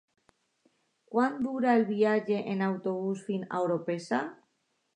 Quant dura el viatge en autobús fins a Orpesa?